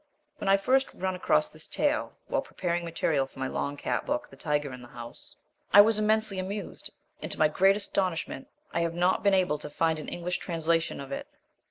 When I first run across this tale while preparing material for my long cat book, The Tiger in the House, I was immensely amused, and to my great astonishment I have not been able to find an English translation of it.